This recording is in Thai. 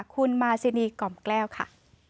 คุณมาซินีกล่อมแก้วค่ะ